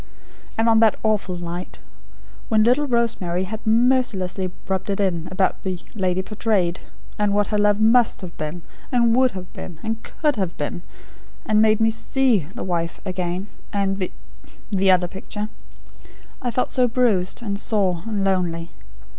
And on that awful night, when little Rosemary had mercilessly rubbed it in, about 'the lady portrayed'; and what her love MUST have been, and WOULD have been, and COULD have been; and had made me SEE 'The Wife' again, and 'The ' the other picture; I felt so bruised, and sore, and lonely.